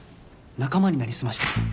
仲間に成り済まして。